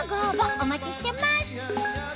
お待ちしてます